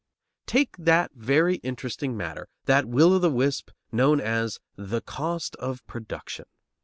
Take that very interesting matter, that will o' the wisp, known as "the cost of production."